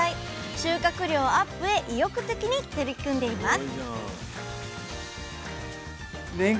収穫量アップへ意欲的に取り組んでいます